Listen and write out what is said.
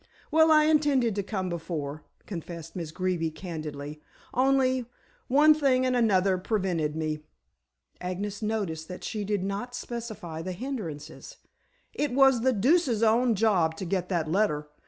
"Well, I intended to come before," confessed Miss Greeby candidly. "Only, one thing and another prevented me!" Agnes noticed that she did not specify the hindrances. "It was the deuce's own job to get that letter.